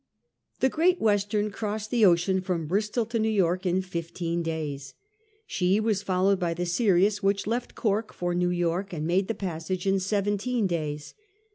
The Great Western crossed the ocean from Bristol to New York in fifteen days. She was followed by the Sirius, whioh left Cork for New York, and made the passage in seventeen days.